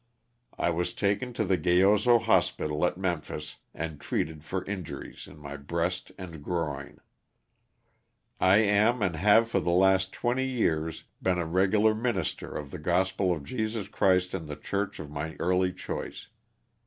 I was taken to the Gayoso Hospital at Memphis and treated for injuries in my breast and groin. 296 LOSS OF THE SULTAKA. I am and have for the last twenty years been a regular minister of the gospel of Jesus Christ in the church of my early choice.